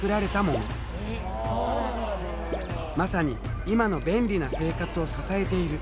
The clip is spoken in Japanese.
まさに今の便利な生活を支えている。